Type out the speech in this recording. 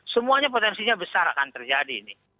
semuanya potensinya besar akan terjadi ini